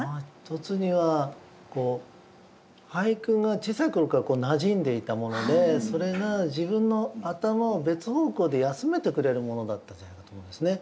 一つには俳句が小さい頃からなじんでいたものでそれが自分の頭を別方向で休めてくれるものだったんじゃないかと思うんですね。